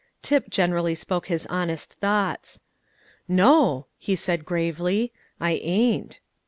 Tip generally spoke his honest thoughts. "No," he said gravely, "I ain't."